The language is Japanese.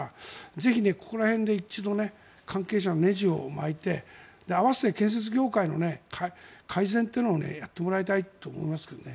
ぜひここら辺で一度、関係者のねじを巻いて併せて建設業界の改善というのをやってもらいたいと思います。